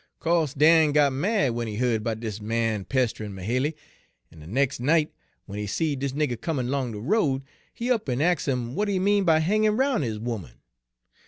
"Co'se Dan got mad w'en he heared 'bout dis man pest'rin' Mahaly, en de nex' night, w'en he seed dis nigger comin' 'long de road, he up en ax' 'im w'at he mean by hangin' 'roun' his 'oman.